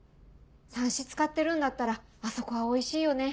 「さんし使ってるんだったらあそこはおいしいよね」。